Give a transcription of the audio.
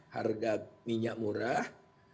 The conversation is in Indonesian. harga minyak murah